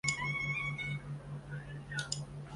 莫热地区讷维。